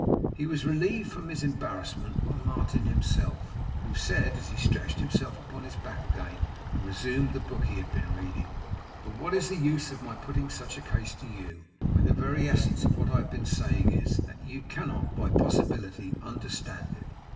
He was relieved from his embarrassment by Martin himself, who said, as he stretched himself upon his back again and resumed the book he had been reading: 'But what is the use of my putting such a case to you, when the very essence of what I have been saying is, that you cannot by possibility understand it!